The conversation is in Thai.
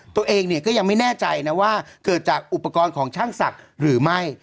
ตัวเองเนี่ยก็ยังไม่แน่ใจนะว่าเกิดจากอุปกรณ์ของช่างศักดิ์หรือไม่